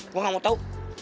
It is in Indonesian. gue gak mau tau